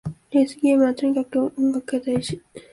レースゲームはとにかく音楽が大事